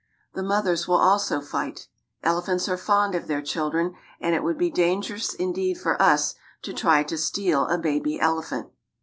The mothers will also fight. Elephants are fond of their children, and it would be dangerous indeed for us to try to steal a baby elephant.